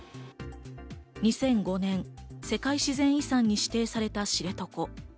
２００５年、世界自然遺産に指定された知床。